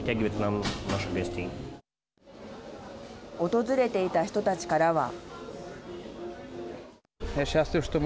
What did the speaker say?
訪れていた人たちからは。